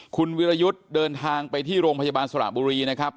คุณวิรยุทธ์เดินทางไปที่โรงพยาบาลสระบุรีนะครับ